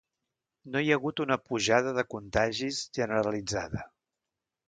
No hi ha hagut una pujada de contagis generalitzada.